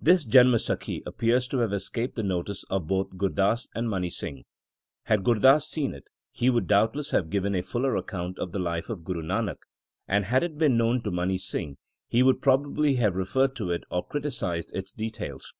This Janamsakhi appears to have escaped the notice of both Gur Das and Mani Singh. Had Gur Das seen it, he would doubtless have given a fuller account of the life of Guru Nanak ; and, had it been known to Mani Singh, he would probably have referred to it or criticized its details.